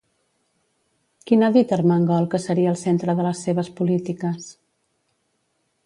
Quin ha dit Armengol que seria el centre de les seves polítiques?